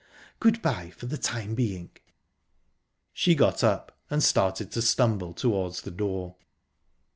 Good bye, for the time being!" She got up, and started to stumble towards the door.